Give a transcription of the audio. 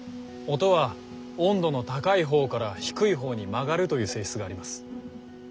音は温度の高い方から低い方に曲がるという性質があります。